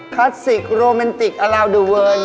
คลาสสิกโรแมนติกอลาวดูเวิร์น